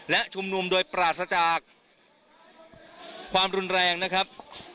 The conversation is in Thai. และชุมนุมโดยปราศจากความรุนแรงนะครับ